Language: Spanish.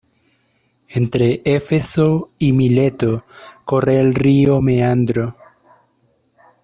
Entre Éfeso y Mileto corre el río Meandro.